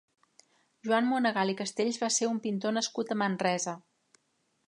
Joan Monegal i Castells va ser un pintor nascut a Manresa.